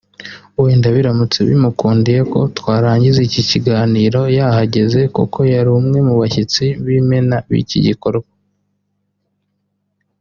wenda biramutse bimukundiye ko twarangiza iki kiganiro yahageze kuko yari umwe mu bashyitsi b’Imena b’iki gikorwa